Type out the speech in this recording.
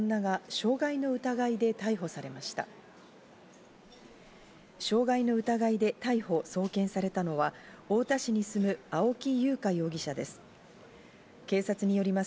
傷害の疑いで逮捕・送検されたのは太田市に住む青木優香容疑者です。